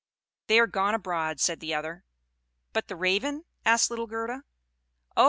"They are gone abroad," said the other. "But the Raven?" asked little Gerda. "Oh!